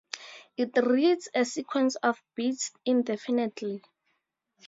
It reads a sequence of bits indefinitely.